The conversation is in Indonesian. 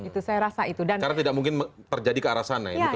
karena tidak mungkin terjadi ke arah sana